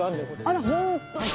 あら本当！